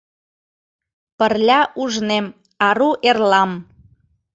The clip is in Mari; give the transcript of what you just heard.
Пырля ужнем ару эрлам.